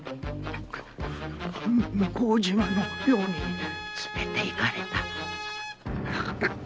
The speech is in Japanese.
向島の寮に連れていかれた。